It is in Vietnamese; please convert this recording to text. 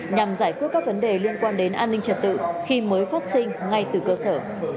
nhằm giải quyết các vấn đề liên quan đến an ninh trật tự khi mới phát sinh ngay từ cơ sở